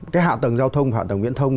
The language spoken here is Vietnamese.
cái hạ tầng giao thông và hạ tầng viễn thông